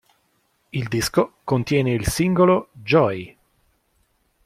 Il disco contiene il singolo "Joey".